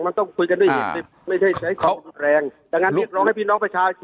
มันต้องคุยกันด้วยอ่าไม่ได้ใช้ความรุนแรงแต่งั้นเราก็ให้พี่น้องประชาชน